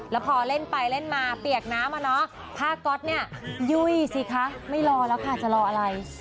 แล้วพอเล่นไปเล่นมาเปียกน้ำอะเนาะผ้าก๊อตเนี่ยยุ่ยสิคะไม่รอแล้วค่ะจะรออะไร